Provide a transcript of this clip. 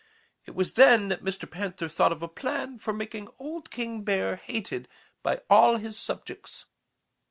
It was then that Mr. Panther thought of a plan for making old King Bear hated by all his subjects.